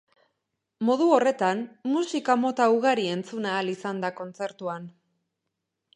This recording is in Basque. Modu horretan, musika mota ugari entzun ahal izan da kontzertuan.